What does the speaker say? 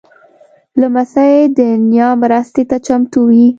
لمسی د نیا مرستې ته چمتو وي.